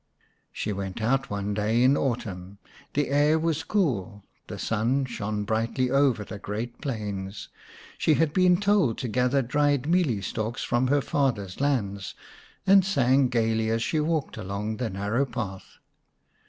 She went out one day in autumn ; the air was cool, the sun shone brightly over the great plains. She had been told to gather dried mealie stalks from her father's lands, and sang gaily as she walked along the narrow path.